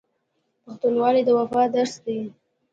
پښتونولي د وفا درس دی.